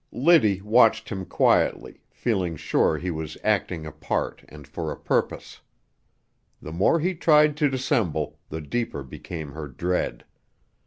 Liddy watched him quietly, feeling sure he was acting a part and for a purpose. The more he tried to dissemble, the deeper became her dread.